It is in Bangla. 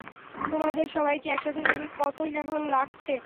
তোমাদের সবাইকে একসাথে দেখে কতোই না ভালো লাগছে!